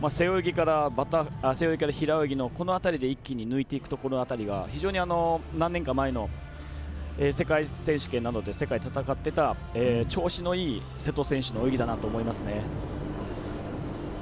背泳ぎから平泳ぎのこの辺りで一気に抜いていくこの辺りが非常に何年か前の世界選手権などの世界と戦ってた調子のいい瀬戸選手の泳ぎだなと思いますね。